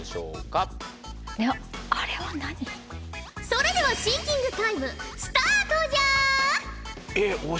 それではシンキングタイムスタートじゃ！